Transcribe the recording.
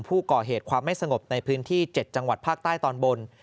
ผู้ก่อเหตุความไม่สงบในพื้นที่๗จังหวัดภาคใต้ตอนบน